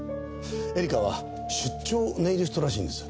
恵利香は出張ネイリストらしいんです。